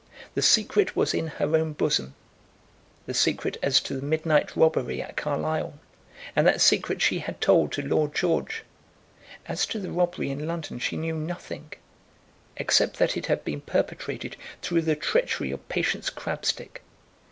The secret was in her own bosom, the secret as to the midnight robbery at Carlisle, and that secret she had told to Lord George. As to the robbery in London she knew nothing, except that it had been perpetrated through the treachery of Patience Crabstick.